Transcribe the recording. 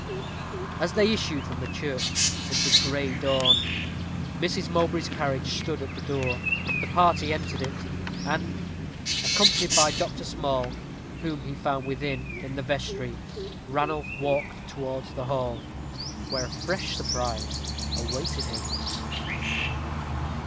As they issued from the church it was gray dawn. Mrs. Mowbray's carriage stood at the door. The party entered it; and accompanied by Dr. Small, whom he found within in the vestry, Ranulph walked towards the hall, where a fresh surprise awaited him.